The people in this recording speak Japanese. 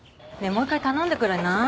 もう１回頼んでくれない？